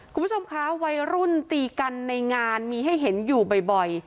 คุณผู้ชมคะวัยรุ่นตีกันในงานมีให้เห็นอยู่บ่อย